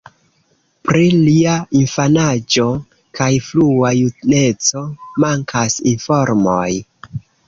Pri lia infanaĝo kaj frua juneco mankas informoj.